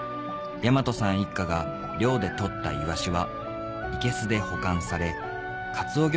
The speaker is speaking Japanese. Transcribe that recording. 大和さん一家が漁で取ったイワシはいけすで保管されカツオ漁